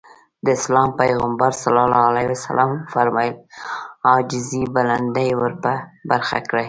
د اسلام پيغمبر ص وفرمايل عاجزي بلندي ورپه برخه کړي.